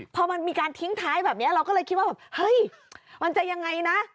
พอมันมีการทิ้งท้ายแบบนี้เราก็เลยคิดว่าแบบเฮ้ยมันจะยังไงนะ